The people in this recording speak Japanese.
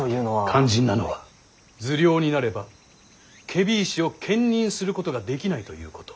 肝心なのは受領になれば検非違使を兼任することができないということ。